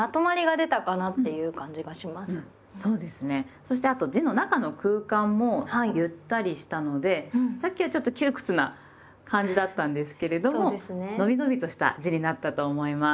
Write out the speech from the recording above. そしてあと字の中の空間もゆったりしたのでさっきはちょっと窮屈な感じだったんですけれどものびのびとした字になったと思います。